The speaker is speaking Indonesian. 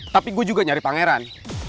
tapi gue juga nyari pangeran